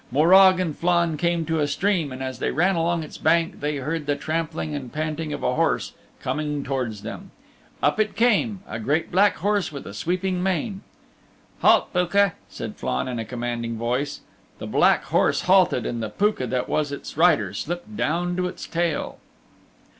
Morag and Flann came to a stream, and as they ran along its bank they heard the trampling and panting of a horse coming towards them. Up it came, a great black horse with a sweeping mane. "Halt, Pooka," said Flann in a commanding voice. The black horse halted and the Pooka that was its rider slipped down to its tail.